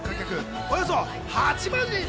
およそ８万人。